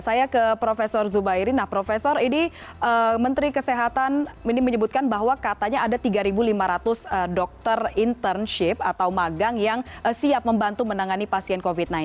saya ke prof zubairi nah profesor ini menteri kesehatan ini menyebutkan bahwa katanya ada tiga lima ratus dokter internship atau magang yang siap membantu menangani pasien covid sembilan belas